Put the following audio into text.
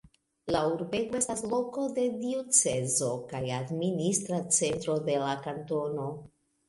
La urbego estas loko de diocezo kaj administra centro de la kantono.